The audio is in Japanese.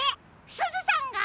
すずさんが？